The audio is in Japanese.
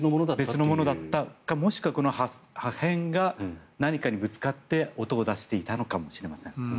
別のものだったかもしくは破片が何かにぶつかって音を出していたのかもしれません。